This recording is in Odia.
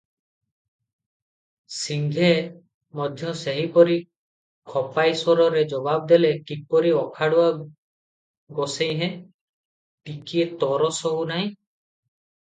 ସିଂହେ ମଧ୍ୟ ସେହିପରି ଖପାଇ ସ୍ୱରରେ ଜବାବ ଦେଲେ, "କିପରି ଅଖାଡ଼ୁଆ ଗୋସେଇଁ ହେ, ଟିକିଏ ତର ସହୁନାହିଁ?"